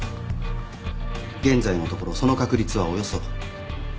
現在のところその確率はおよそ９０％。